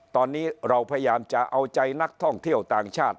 ตอนนี้เราพยายามจะเอาใจนักท่องเที่ยวต่างชาติ